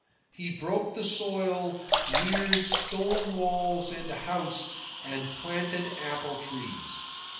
He broke the soil, reared stone walls and a house, and planted apple trees.